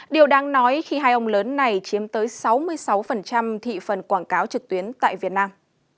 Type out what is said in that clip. điều đáng nói khi hai ông lớn này chiếm tới sáu mươi sáu thị phần quảng cáo trực tuyến tại việt nam